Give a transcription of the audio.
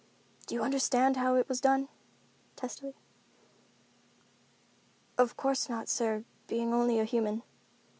"Do you understand how it was done?" testily. "Of course not, sir, being only a human."